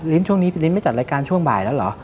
ช่วงนี้พี่ลิ้นไม่จัดรายการช่วงบ่ายแล้วเหรอ